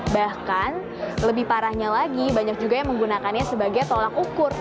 bahkan lebih parahnya lagi banyak juga yang menggunakannya sebagai tolak ukur